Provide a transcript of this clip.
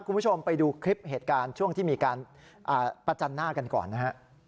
คุณผู้ชมไปดูคลิปเหตุการณ์ช่วงที่มีการประจันหน้ากันก่อนนะฮะ